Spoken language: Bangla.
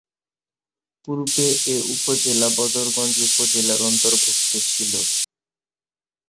পুর্বে এ উপজেলা বদরগঞ্জ উপজেলার অর্ন্তভূক্ত ছিল।